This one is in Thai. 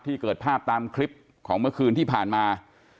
เกิดภาพตามคลิปของเมื่อคืนที่ผ่านมา